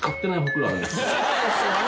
そうですよね。